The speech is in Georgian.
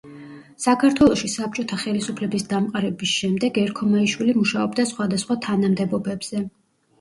საქართველოში საბჭოთა ხელისუფლების დამყარების შემდეგ ერქომაიშვილი მუშაობდა სხვადასხვა თანამდებობებზე.